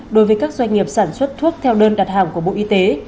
đối với các doanh nghiệp sản xuất thuốc theo đơn đặt hàng của bộ y tế